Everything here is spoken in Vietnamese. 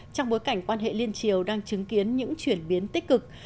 trong bối cảnh quan hệ liên triều đang chứng kiến những chuyển biến tích cực